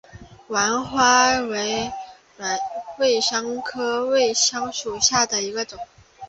芫花为瑞香科瑞香属下的一个种。